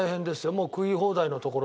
もう食い放題のところとか。